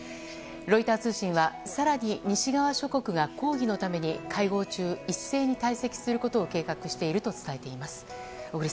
ロイター通信は更に西側諸国が抗議のために会合中、一斉に退席することを計画していると伝えています。